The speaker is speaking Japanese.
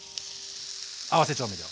合わせ調味料。